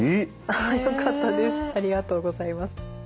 ありがとうございます。